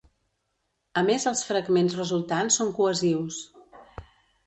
A més els fragments resultants són cohesius.